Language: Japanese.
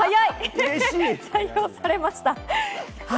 採用されました。